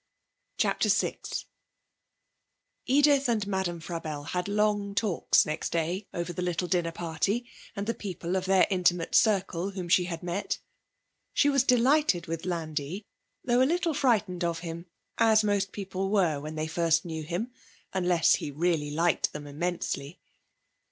CHAPTER VI Edith and Madame Frabelle had long talks next day over the little dinner party, and the people of their intimate circle whom she had met. She was delighted with Landi, though a little frightened of him, as most people were when they first knew him, unless he really liked them immensely.